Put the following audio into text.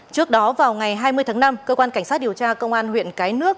trước đó vào ngày hai mươi tháng năm cơ quan cảnh sát điều tra công an huyện cái nước